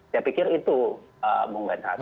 saya pikir itu bung ben hatt